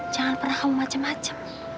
jangan pernah kamu macem macem